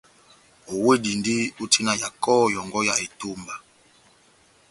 Owedindi ó tina ya kɔhɔ yɔ́ngɔ ya etomba